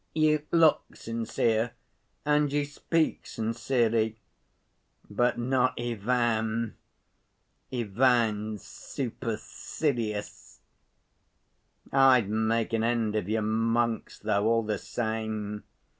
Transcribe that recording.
You look sincere and you speak sincerely. But not Ivan. Ivan's supercilious.... I'd make an end of your monks, though, all the same.